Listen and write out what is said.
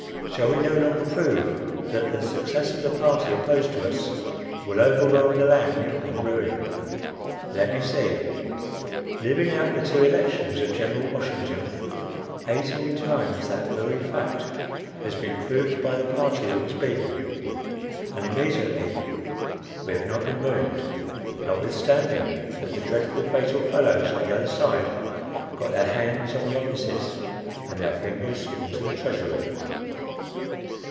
Shall we no longer prove that the success of the party opposed to us will overwhelm the land in ruin? Let me see. Leaving out the two elections of General Washington, eighteen times that very fact has been proved by the party that was beaten, and immediately we have not been ruined, notwithstanding that the dreadful fatal fellows on the other side got their hands on the offices and their fingers into the treasury.